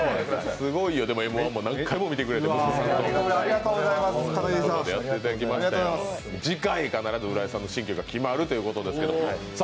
すごいよ、「Ｍ−１」も何回も見てくれてて、息子さんも次回、必ず浦井さんの新居が決まるということです。